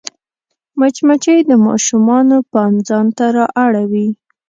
مچمچۍ د ماشومانو پام ځان ته رااړوي